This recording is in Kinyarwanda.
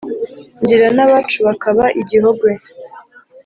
ngira n’abacu bakaba i gihogwe